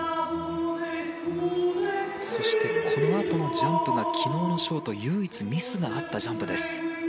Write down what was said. そしてこのあとのジャンプが昨日のショート唯一ミスがあったジャンプです。